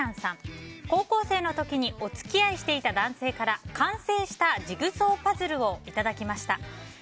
高校生の時にお付き合いしていた男性から完成したジグソーパズルをいただきました。